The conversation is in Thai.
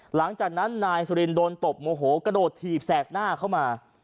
หลังจากนั้นนายสุรินโดนตบโมโหกระโดดถีบแสกหน้าเข้ามา